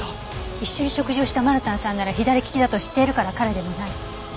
一緒に食事をしたマルタンさんなら左利きだと知っているから彼でもない。